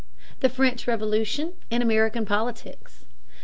The French Revolution and American Politics.